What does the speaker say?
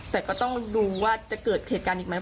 แต่ก็ต้องดูว่าจะเกิดเหตุการณ์อีกไหม